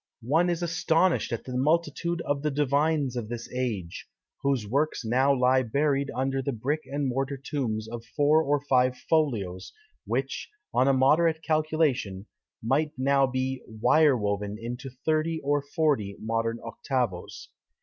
One is astonished at the multitude of the divines of this age; whose works now lie buried under the brick and mortar tombs of four or five folios, which, on a moderate calculation, might now be "wire woven" into thirty or forty modern octavos.